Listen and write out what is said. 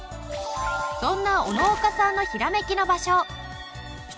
そんな小野岡さんのヒラメキの場所。